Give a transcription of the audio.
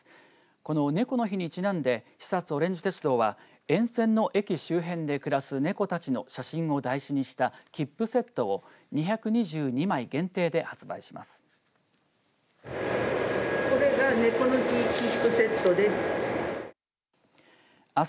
この猫の日にちなんで肥薩おれんじ鉄道は沿線の駅周辺で暮らす猫たちの写真を台紙にした切符セットを２２２枚限定で発売します。